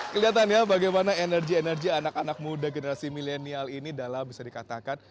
kelihatan ya bagaimana energi energi anak anak muda generasi milenial ini dalam bisa dikatakan